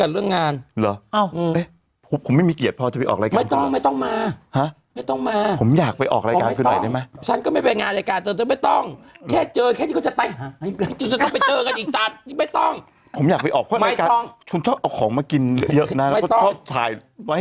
เรื่องอย่างงี้